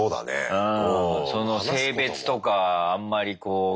うん。